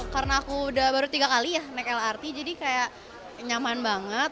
karena aku udah baru tiga kali ya naik lrt jadi kayak nyaman banget